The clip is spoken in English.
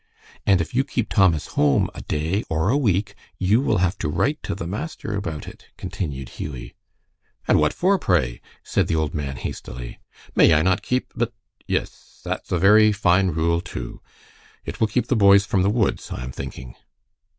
"And if you keep Thomas home a day or a week, you will have to write to the master about it," continued Hughie. "And what for, pray?" said the old man, hastily. "May I not keep but Yes, that's a very fine rule, too. It will keep the boys from the woods, I am thinking."